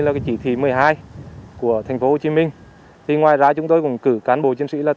ra vào thành phố cương quyết xử lý